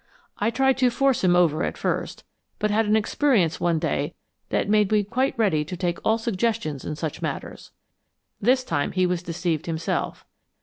I tried to force him over at first, but had an experience one day that made me quite ready to take all suggestions in such matters. This time he was deceived himself.